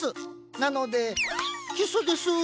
なのでキスです！